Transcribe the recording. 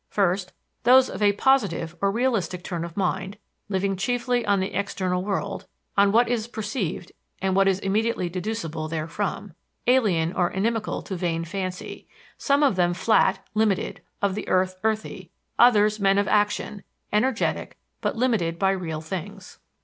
First, those of a "positive" or realistic turn of mind, living chiefly on the external world, on what is perceived and what is immediately deducible therefrom alien or inimical to vain fancy; some of them flat, limited, of the earth earthy; others, men of action, energetic but limited by real things.